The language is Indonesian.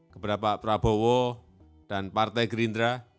kepada pak prabowo dan partai gerindra